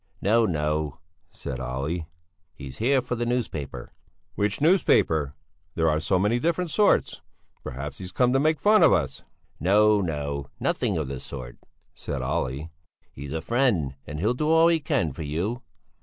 "No, no," said Olle, "he's here for the newspaper." "Which newspaper? There are so many different sorts. Perhaps he's come to make fun of us?" "No, no, nothing of the sort," said Olle. "He's a friend, and he'll do all he can for you."